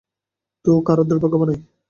তো, কারা দুর্ভাগ্য বানায়?